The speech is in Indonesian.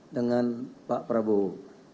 dengan pak prabowo